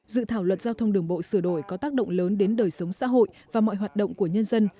dự thảo luật giao thông đường bộ sửa đổi có tác động lớn đến đời sống xã hội và mọi hoạt động của nhân dân